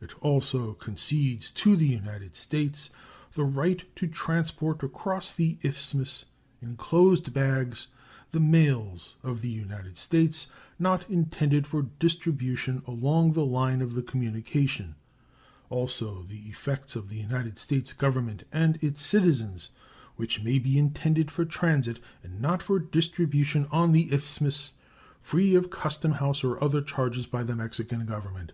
It also concedes to the United States the "right to transport across the Isthmus, in closed bags, the mails of the United States not intended for distribution along the line of the communication; also the effects of the United States Government and its citizens which may be intended for transit and not for distribution on the Isthmus, free of custom house or other charges by the Mexican Government."